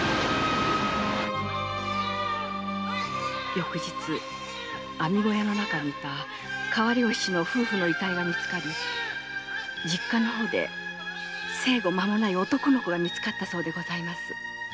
翌日網小屋の中にいた川漁師の夫婦の遺体が見つかり実家の方で生後間もない男の子が見つかったそうです。